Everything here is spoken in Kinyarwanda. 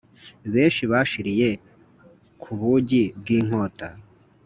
Benshi bashiriye ku bugi bw’inkota,